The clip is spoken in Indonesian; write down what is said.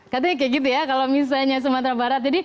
katanya kayak gitu ya kalau misalnya sumatera barat